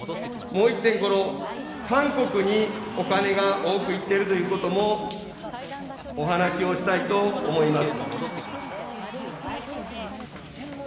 もう１点、この韓国にお金が多く行っているということもお話をしたいと思います。